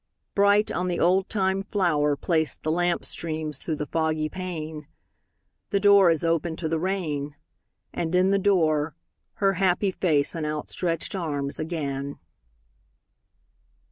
Bright on the oldtime flower place The lamp streams through the foggy pane; The door is opened to the rain: And in the door her happy face And outstretched arms again.